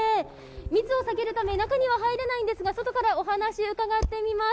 密を避けるため中には入れないんですが外からお話、伺ってみます。